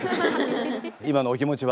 今のお気持ちは？